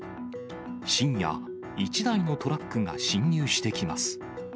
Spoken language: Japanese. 深夜、一台のトラックが侵入してきます。